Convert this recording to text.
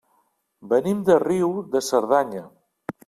Venim de Riu de Cerdanya.